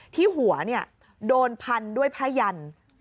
ที่หัวโดนพันด้วยผ้ายัน